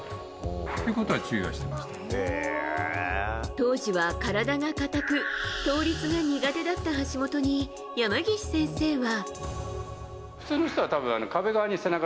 当時は体が硬く倒立が苦手だった橋本に山岸先生は。